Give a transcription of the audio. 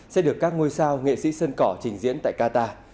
sẽ được các ngôi sao nghệ sĩ sơn cỏ trình diễn tại qatar